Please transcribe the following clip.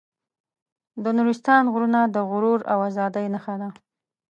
د نورستان غرونه د غرور او ازادۍ نښه ده.